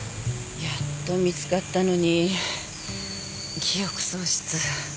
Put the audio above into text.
やっと見つかったのに記憶喪失。